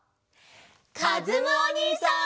かずむおにいさん！